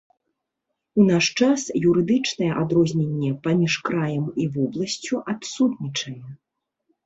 У наш час юрыдычнае адрозненне паміж краем і вобласцю адсутнічае.